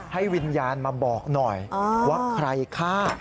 ให้วิญญาณมาบอกหน่อยว่าใครฆ่า